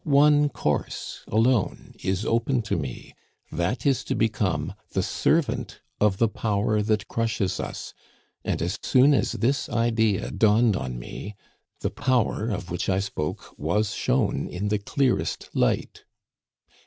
One course alone is open to me, that is to become the servant of the power that crushes us; and as soon as this idea dawned on me, the Power of which I spoke was shown in the clearest light.